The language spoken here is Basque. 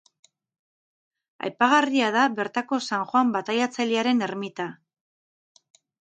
Aipagarria da bertako San Joan Bataiatzailearen ermita.